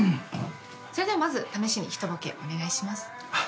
それではまず試しにひとボケお願いします。